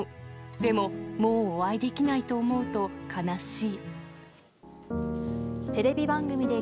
でも、もうお会いできないと思うと悲しい。